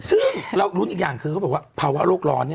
ซึ่งเรารุ้นอีกอย่างคือเขาบอกว่าภาวะโลกร้อน